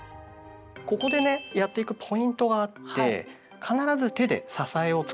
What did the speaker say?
ここでねやっていくポイントがあって必ず手で支えを作って下さい。